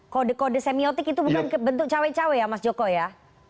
kode kode semiotik itu bukan bentuk cawe cawe ya mas joko ya